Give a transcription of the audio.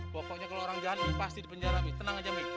pokoknya kalo orang jahat pasti dipenjara tenang aja bi